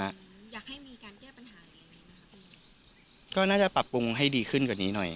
อยากให้มีการแก้ปัญหานี้ไหมคะก็น่าจะปรับปรุงให้ดีขึ้นกว่านี้หน่อย